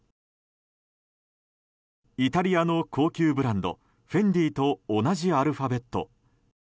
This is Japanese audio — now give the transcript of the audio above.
イタリアの高級ブランドＦＥＮＤＩと同じアルファベット。